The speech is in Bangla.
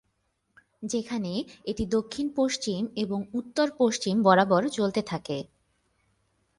যেখানে এটি দক্ষিণ-পশ্চিম এবং উত্তর-পশ্চিম বরাবর চলতে থাকে।